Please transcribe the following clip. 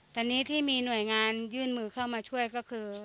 ตอนนี้ที่มีหน่วยงานยื่นมือเข้ามาช่วยก็คือ